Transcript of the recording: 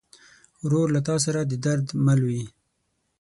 ورور له تا سره د درد مل وي.